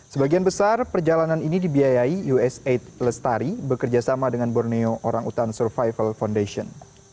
sebagian besar perjalanan ini dibiayai usaid lestari bekerjasama dengan borneo orang utan survival foundation